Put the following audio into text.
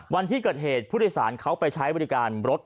วันที่เกิดเหตุพูดอะไรสารเขาไปใช้วิการรถ